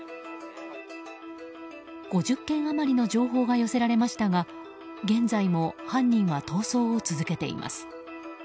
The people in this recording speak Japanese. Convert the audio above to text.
５０件余りの情報が寄せられましたが現在も犯人は逃走を続けています。